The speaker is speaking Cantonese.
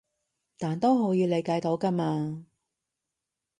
但都可以理解到㗎嘛